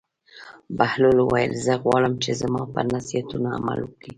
بهلول وویل: زه غواړم چې زما پر نصیحتونو عمل وکړې.